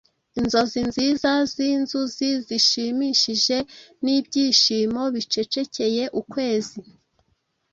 Inzozi nziza zinzuzi zishimishije Nibyishimo, bicecekeye, ukwezi!